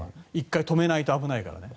１回止めないと危ないからね。